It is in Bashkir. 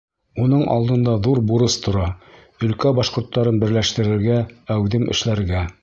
Уның алдында ҙур бурыс тора: өлкә башҡорттарын берләштерергә, әүҙем эшләргә.